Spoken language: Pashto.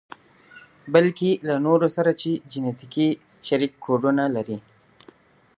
بلکې له نورو سره چې جنتیکي شريک کوډونه لري.